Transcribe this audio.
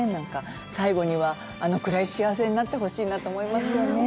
最後にはあのくらい幸せになってほしいなと思いますよね。